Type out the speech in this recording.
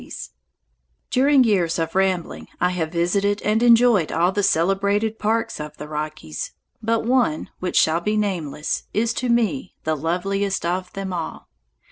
OLYMPUS] During years of rambling I have visited and enjoyed all the celebrated parks of the Rockies, but one, which shall be nameless, is to me the loveliest of them all.